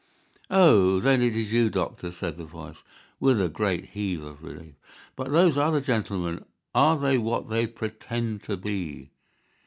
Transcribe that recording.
"Oh, then it is you, doctor," said the voice, with a great heave of relief. "But those other gentlemen, are they what they pretend to be?"